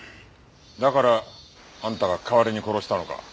だからあんたが代わりに殺したのか？